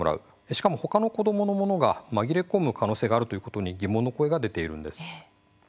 しかも、ほかの子どものものが紛れ込む可能性があるということに疑問の声が出ているんです。